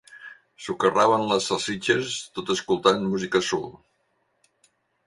Socarraven les salsitxes tot escoltant música soul.